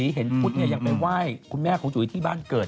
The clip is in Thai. เห็นพุทธยังไปไหว้คุณแม่ของจุ๋ยที่บ้านเกิด